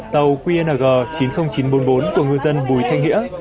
tàu qng chín mươi nghìn chín trăm bốn mươi bốn của ngư dân bùi thanh nghĩa